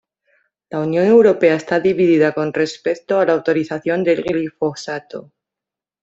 La Unión Europea está dividida con respecto a la autorización del glifosato.